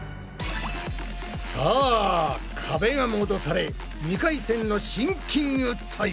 さあ壁が戻され２回戦のシンキングタイム。